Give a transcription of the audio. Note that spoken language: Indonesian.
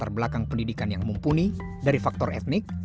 latar belakang pendidikan yang mumpuni dari faktor etnik